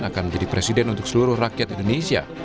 akan menjadi presiden untuk seluruh rakyat indonesia